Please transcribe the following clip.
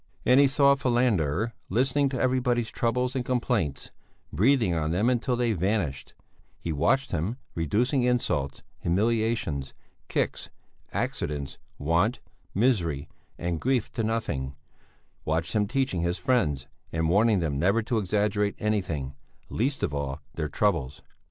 And he saw Falander, listening to everybody's troubles and complaints, breathing on them until they vanished; he watched him, reducing insults, humiliations, kicks, accidents, want, misery, and grief to nothing; watched him teaching his friends and warning them never to exaggerate anything, least of all their troubles.